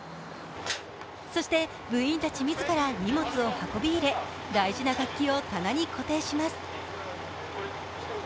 そして部員たち自ら荷物を運び入れ大事な楽器を棚に固定します。